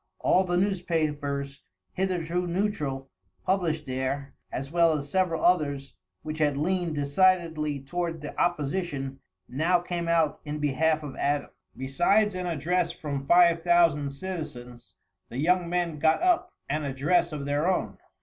All the newspapers, hitherto neutral, published there, as well as several others which had leaned decidedly toward the opposition, now came out in behalf of Adams. Besides an address from five thousand citizens, the young men got up an address of their own.